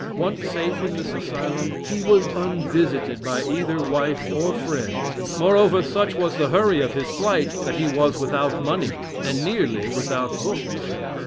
Once safe in this asylum, he was unvisited by either wife or friends; morover, such was the hurry of his flight, that he was without money, and nearly without books.